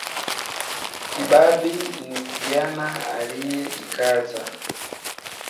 Kibabi ni kijana aliyejikaza